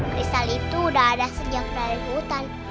kristal itu udah ada sejak dari hutan